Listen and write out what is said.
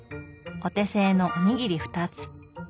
お手製のおにぎり２つ。